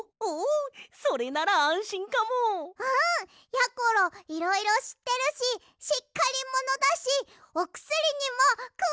やころいろいろしってるししっかりものだしおくすりにもくわしいし！